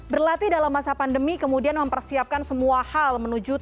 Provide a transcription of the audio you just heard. berlatih dalam masa pandemi kemudian mempersiapkan semua hal